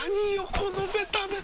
このベタベタ。